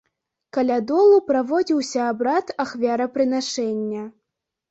Каля долу праводзіўся абрад ахвярапрынашэння.